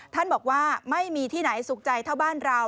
ท่านบอกว่าไม่มีที่ไหนสุขใจเท่าบ้านเรา